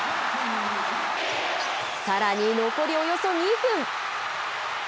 さらに、残りおよそ２分。